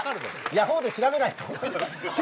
ヤホーで調べないと。